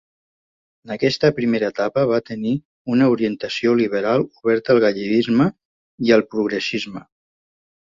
En aquesta primera etapa va tenir una orientació liberal oberta al galleguisme i al progressisme.